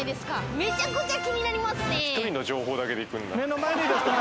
めちゃくちゃ気になりますね。